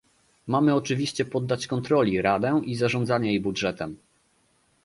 Mamy oczywiście poddać kontroli Radę i zarządzanie jej budżetem